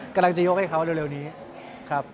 กำลังจะยกให้เขาเร็วนี้ครับ